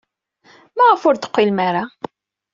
Maɣef ur d-teqqilem ara?